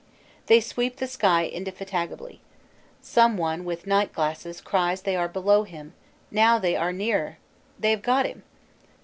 They sweep the sky indefatigably. Some one with night glasses cries they are below him now they are nearer they have got him!